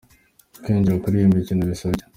Kwinjira kuri uyu mukino bisaba iki?.